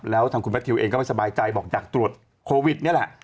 แล้วทางคุณแมททิวเองก็ไม่สบายใจบอกอยากตรวจโควิดนี่แหละ